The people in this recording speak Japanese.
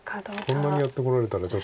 こんなにやってこられたらちょっと。